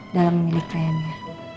dalam memilih kliennya